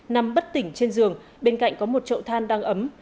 nằm bất tỉnh trên giường bên cạnh có một trậu than đang ấm